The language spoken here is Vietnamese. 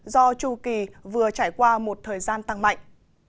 do chu kỳ vừa trải qua một thời gian tăng mạnh